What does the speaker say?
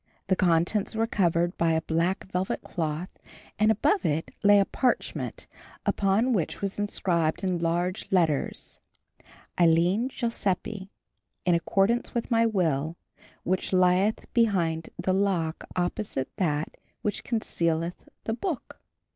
The contents were covered by a black velvet cloth, and above it lay a parchment upon which was inscribed in large letters: ALINE GILLESPIE IN ACCORDANCE WITH MY WILL, WHICH LIETH BEHIND THE LOCK OPPOSITE THAT WHICH CONCEALETH THE BOOK.